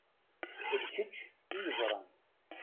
D kečč i yeẓṛan.